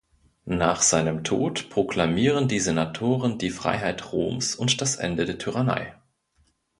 Nach seinem Tod proklamieren die Senatoren die Freiheit Roms und das Ende der Tyrannei.